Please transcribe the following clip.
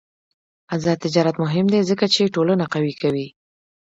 آزاد تجارت مهم دی ځکه چې ټولنه قوي کوي.